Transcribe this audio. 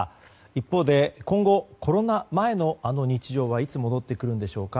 一方で、今後、コロナ前のあの日常はいつ戻ってくるんでしょうか。